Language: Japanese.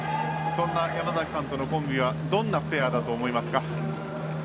山崎さんとのコンビはどんなペアだと思いますか？